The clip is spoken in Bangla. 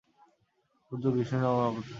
বুদ্ধ বিষ্ণুর নবম অবতার।